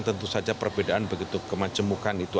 tentu saja perbedaan begitu kemajemukan itu